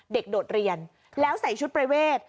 โดดเรียนแล้วใส่ชุดประเวท